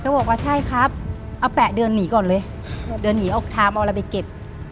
เขาบอกว่าใช่ครับเอาแปะเดินหนีก่อนเลยครับ